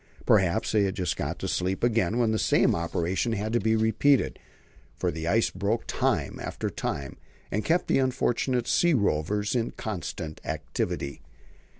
Perhaps they had just got to sleep again when the same operation had to be repeated; for the ice broke time after time, and kept the unfortunate "sea rovers" in constant activity.